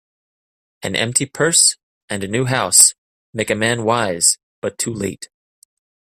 An empty purse, and a new house, make a man wise, but too late.